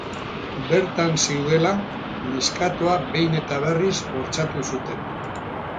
Bertan zeudela, neskatoa behin eta berriz bortxatu zuten.